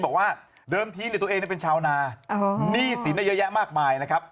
บอกว่าเดิมทีตัวเองเป็นชาวนาหนี้สินเยอะแยะมากมายนะครับ